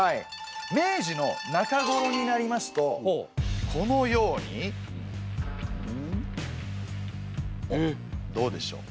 明治のなかごろになりますとこのようにどうでしょう？